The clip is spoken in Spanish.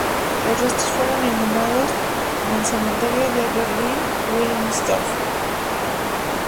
Los restos fueron inhumados en el cementerio de Berlín-Wilmersdorf.